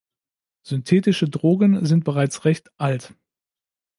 Synthetische Drogen sind bereits recht alt.